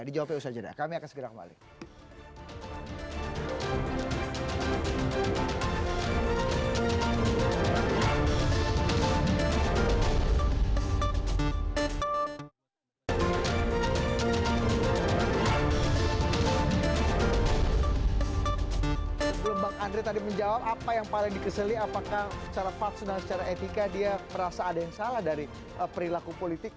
dijawabkan di usaha jadwal kami akan segera kembali